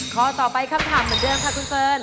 ข้อต่อไปครับทางเหมือนเดิมค่ะ